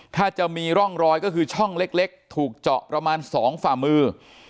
ถ้าจะมีร่องรอยก็คือช่องเล็กถูกเจาะประมาณ๒ฝ่ามือ